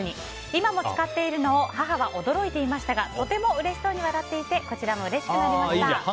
今も使っているのを母は驚いていましたがとてもうれしそうに笑っていてこちらもうれしくなりました。